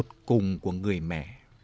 tột cùng của người mẹ